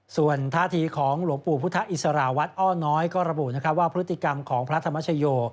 ส่วนท่าทีของหลวงปู่พุทธอิสระวัดอ้อน้อยก็ระบุว่าพฤติกรรมของพระธรรมชโย